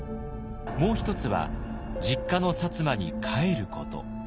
もう一つは実家の薩摩に帰ること。